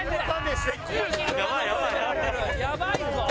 やばいぞ！